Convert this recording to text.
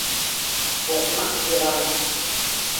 ОКМАК ЙЫВАН